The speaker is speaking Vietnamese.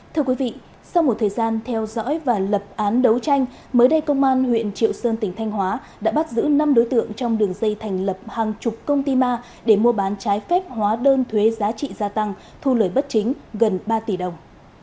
thưa quý vị sau một thời gian theo dõi và lập án đấu tranh mới đây công an huyện triệu sơn tỉnh thanh hóa đã bắt giữ năm đối tượng trong đường dây thành lập hàng chục công ty ma để mua bán trái phép hóa đơn thuế giá trị gia tăng thu lời bất chính gần ba tỷ đồng